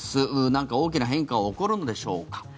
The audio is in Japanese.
なんか大きな変化は起こるのでしょうか。